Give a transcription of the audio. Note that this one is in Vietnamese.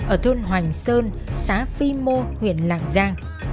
ở thôn hoành sơn xã phi mô huyện lạng giang